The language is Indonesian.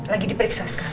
lagi di periksa sekarang